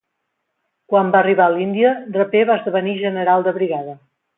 Quan va arribar a l'Índia, Draper va esdevenir general de brigada.